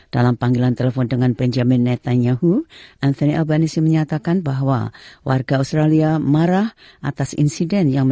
dalam panggilan telepon dengan benjamin netanyahu anthony albanese menyatakan bahwa warga australia marah atas insiden